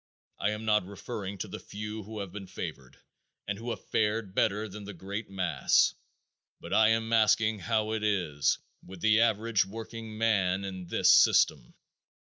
I am not referring to the few who have been favored and who have fared better than the great mass, but I am asking how it is with the average workingman in this system?